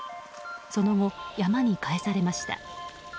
その後、山に帰されました。